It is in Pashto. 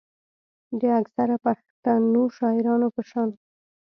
د اکثره پښتنو شاعرانو پۀ شان